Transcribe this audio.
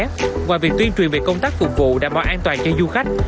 ngoài việc tuyên truyền về công tác phục vụ đảm bảo an toàn cho du khách